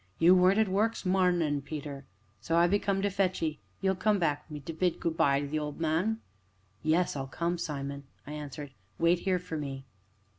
You weren't at work 's marnin', Peter, so I be come to fetch 'ee you'll come back wi' me to bid 'good by' to the old man?" "Yes, I'll come, Simon," I answered; "wait here for me."